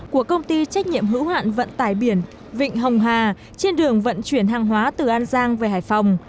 của công ty trách nhiệm hữu hoạn vận tải biển vịnh hồng hà trên đường vận chuyển hàng hóa từ an giang về hải phòng